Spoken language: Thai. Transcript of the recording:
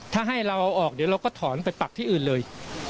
ถ้าให้เราเอาออกเดี๋ยวเราก็ถอนไปปักที่อื่นเลย